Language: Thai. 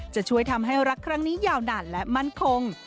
จะช่วยทำให้รักครั้งนี้ยาวนานและมั่นคง